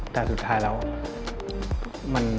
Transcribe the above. แต่สุดท้ายแล้ว